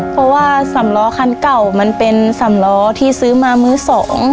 เพราะว่าสำล้อคันเก่ามันเป็นสำล้อที่ซื้อมามื้อสอง